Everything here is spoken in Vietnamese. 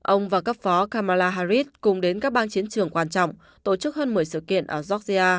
ông và cấp phó kamala harris cùng đến các bang chiến trường quan trọng tổ chức hơn một mươi sự kiện ở georgia